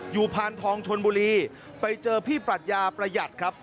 อยู่ผ่านทองชลบูรีไปเจอพี่ปรัฐยาประหยัดครับ